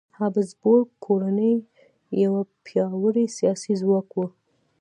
هابسبورګ کورنۍ یو پیاوړی سیاسي ځواک و.